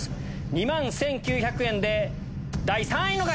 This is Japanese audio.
２万１９００円で第３位の方！